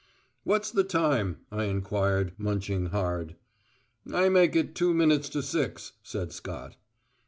"What's the time?" I enquired, munching hard. "I make it two minutes to six," said Scott.